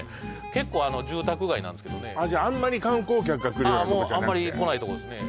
結構住宅街なんですけどねじゃあんまり観光客が来るようなとこじゃなくてあんまり来ないとこですね